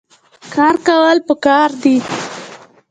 کار کول پکار دي